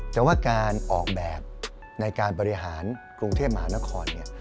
แต่ว่าการออกแบบในการบริหารกรุงเทพมหานครเนี่ย